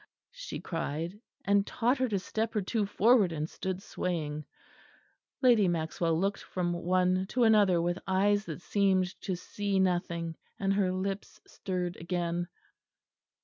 she cried, and tottered a step or two forward and stood swaying. Lady Maxwell looked from one to another with eyes that seemed to see nothing; and her lips stirred again.